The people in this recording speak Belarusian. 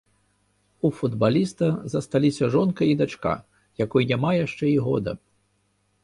У футбаліста засталіся жонка і дачка, якой няма яшчэ і года.